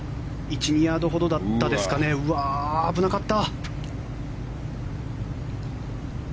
１２ヤードほどだったですかね危なかった。